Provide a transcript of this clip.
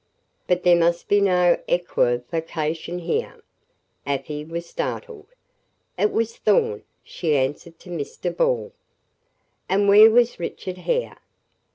But there must be no equivocation here." Afy was startled. "It was Thorn," she answered to Mr. Ball. "And where was Richard Hare?"